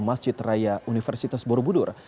masjid raya universitas borobudur